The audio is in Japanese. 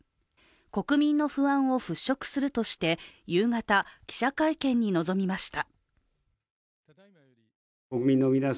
国民の不安を払拭するとして、夕方、記者会見に臨みました。